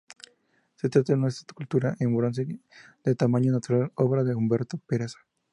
Se trata de una escultura en bronce, de tamaño natural, obra de Humberto Peraza.